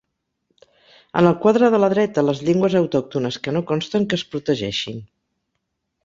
En el quadre de la dreta les llengües autòctones que no consten que es protegeixin.